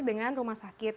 dengan rumah sakit